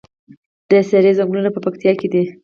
د څیړۍ ځنګلونه په پکتیا کې دي؟